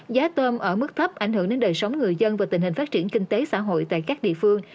giá tôm ở mức thấp ảnh hưởng đến đời sống người dân và tình hình phát triển kinh tế xã hội tại các địa phương